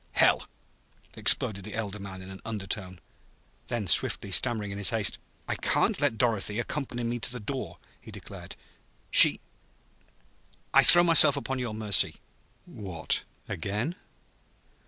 "Hell!" exploded the elder man in an undertone. Then swiftly, stammering in his haste: "I can't let Dorothy accompany me to the door," he declared. "She I I throw myself upon your mercy!" "What again?"